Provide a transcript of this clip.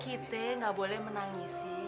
kita nggak boleh menangisi